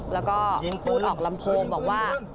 แล้วก็พูดออกลำโพงบอกว่า